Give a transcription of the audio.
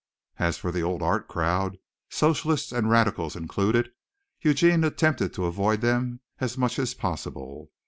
As for the old art crowd, socialists and radicals included, Eugene attempted to avoid them as much as possible.